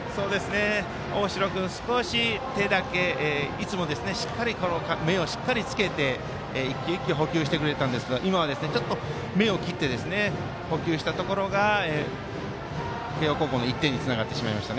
大城君、いつもしっかり目をつけて一球一球捕球してくれてたんですけど今はちょっと目をきって捕球したところが慶応高校の１点につながってしまいました。